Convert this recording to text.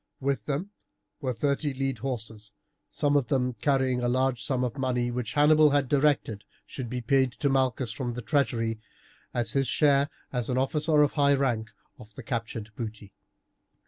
With them were thirty lead horses, some of them carrying a large sum of money, which Hannibal had directed should be paid to Malchus from the treasury, as his share, as an officer of high rank, of the captured booty.